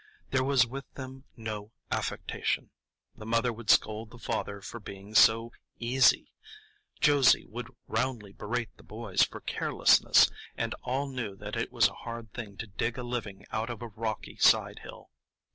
There was with them no affectation. The mother would scold the father for being so "easy"; Josie would roundly berate the boys for carelessness; and all knew that it was a hard thing to dig a living out of a rocky side hill.